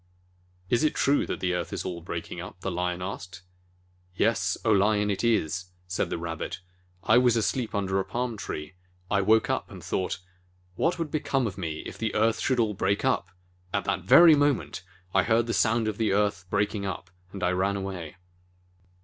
"Is it true that the earth is all breaking up?" the Lion asked. "Yes, O Lion, it is," said the Rabbit. "I was asleep under a palm tree. I woke up and thought, 'What would become of me if the earth should all break up ?' At that very moment, I heard the sound of the earth breaking up, and I ran away."